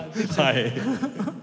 はい。